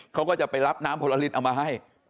เขาก็จะไปรับน้ำผลลิตเอามาให้